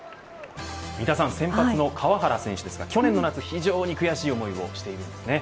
先発の川原選手ですが去年の夏、非常に悔しい思いをしているんです。